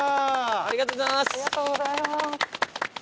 ありがとうございます。